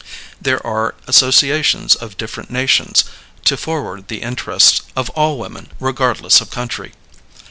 There are associations of different nations to forward the interests of all women regardless of country.